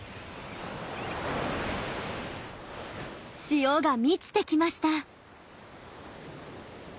潮が満ちてきました。